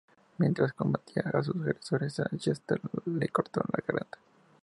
Mientras combatía a sus agresores, a Chester le cortaron la garganta.